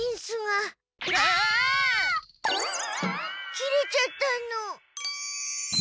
切れちゃったの。